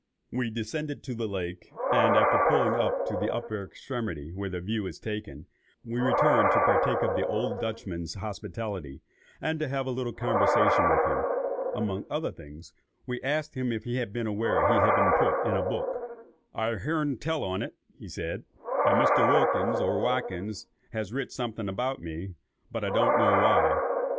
We descended to the lake, and after pulling up to the upper extremity where the view is taken, we returned to partake of the old Dutchman's hospitality, and have a little conversation with him. Among other things, we asked him if he was aware that he had been put in a book. "I've hearn tell on't," said he; "a Mr. Wilkins, or Watkins, has writ something about me, but I don't know why.